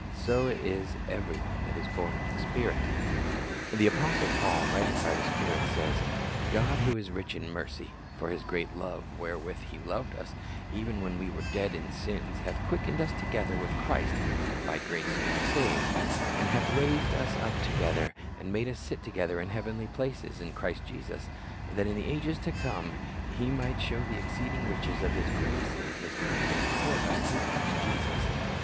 So is every one that is born of the Spirit."^ The apostle Paul, writing by the Holy Spirit, says, "God, who is rich in mercy, for His great love wherewith He loved us, even when we were dead in sins, hath quickened us together with Christ, (by grace ye are saved;) and hath raised us up together, and made us sit together in heavenly places in Christ Jesus: that in the ages to come He might show the exceeding riches of His grace in His kindness toward us through Christ Jesus.